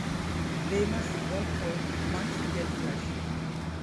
Then they must work for months to get fresh.